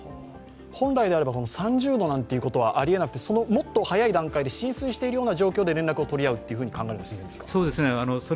本来であれば３０度なんていうのはありえなくてそのもっと早い段階で浸水しているような状況で連絡を取り合うのが自然ですか？